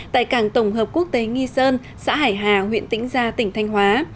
tại cảng tổng hợp quốc tế nghi sơn xã hải hà huyện tĩnh gia tỉnh thanh hóa